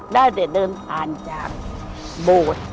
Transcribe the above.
ได้เดินผ่านจากโบสธิ์